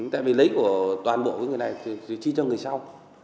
tại vì lấy của toàn bộ người này thì chi cho người sau